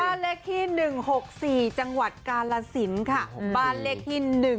บ้านเลขที่๑๖๔จังหวัดกาลสินค่ะบ้านเลขที่๑